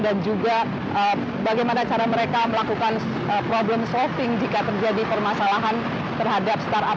dan juga bagaimana cara mereka melakukan problem solving jika terjadi permasalahan terhadap startup